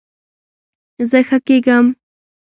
زه ښه کیږم